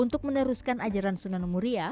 untuk meneruskan ajaran sunan muria